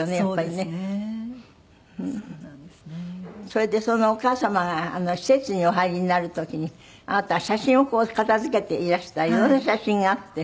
それでお母様が施設にお入りになる時にあなたが写真をこう片付けていらしたらいろいろ写真があって。